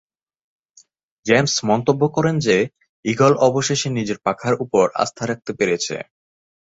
James মন্তব্য করেন যে, ঈগল অবশেষে নিজের পাখার উপর আস্থা রাখতে পেরেছে।